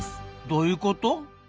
どういうこと？